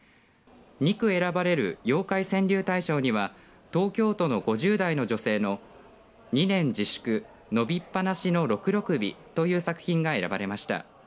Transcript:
２句選ばれる妖怪川柳大賞には東京都の５０代の女性の２年自粛伸びっ放しのろくろ首という作品が選ばれました。